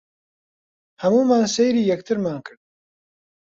هەموومان سەیری یەکترمان کرد.